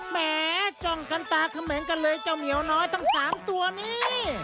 แหมจ้องกันตาเขมงกันเลยเจ้าเหมียวน้อยทั้ง๓ตัวนี้